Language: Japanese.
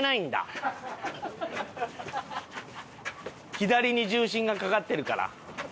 左に重心がかかってるから。